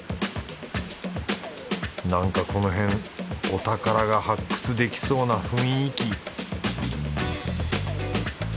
なんかこの辺お宝が発掘できそうな雰囲気